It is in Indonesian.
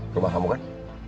rumah kamu kan